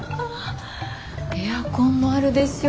エアコンもあるでしょ。